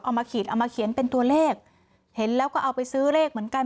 เอามาขีดเอามาเขียนเป็นตัวเลขเห็นแล้วก็เอาไปซื้อเลขเหมือนกัน